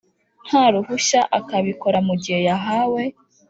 nta ruhushya akabikora mu gihe yahawe